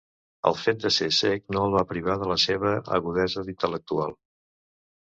El fet de ser cec no el va privar de la seva agudesa intel·lectual.